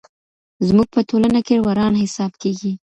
زموږ په ټولنه کي وران حساب کېږي.